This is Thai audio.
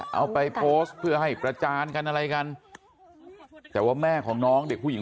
เอาไปโพสต์เพื่อให้ประจานกันอะไรกันแต่ว่าแม่ของน้องเด็กผู้หญิง